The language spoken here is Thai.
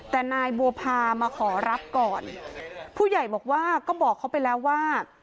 แต่นายบัวพามาขอรับก่อนผู้ใหญ่บอกว่าก็บอกเขาไปแล้วว่า